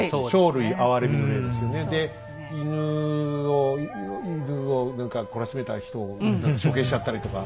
で犬を何か懲らしめた人を処刑しちゃったりとか。